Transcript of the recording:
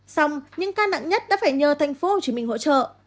xong những ca nặng nhất đã phải nhờ tp hcm hỗ trợ